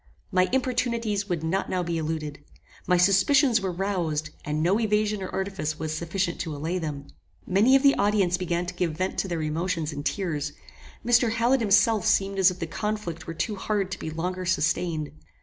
My importunities would not now be eluded. My suspicions were roused, and no evasion or artifice was sufficient to allay them. Many of the audience began to give vent to their emotions in tears. Mr. Hallet himself seemed as if the conflict were too hard to be longer sustained.